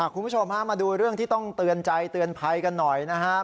คุณผู้ชมฮะมาดูเรื่องที่ต้องเตือนใจเตือนภัยกันหน่อยนะฮะ